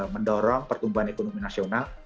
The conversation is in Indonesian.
mendorong pertumbuhan ekonomi nasional